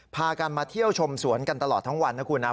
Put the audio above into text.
พากันมาเที่ยวชมสวนกันตลอดทั้งวันนะครับ